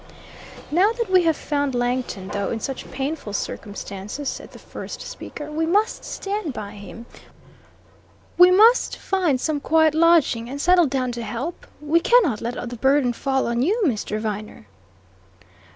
"Now that we have found Langton, though in such painful circumstances," said the first speaker, "we must stand by him. We must find some quiet lodging, and settle down to help. We cannot let all the burden fall on you, Mr. Viner."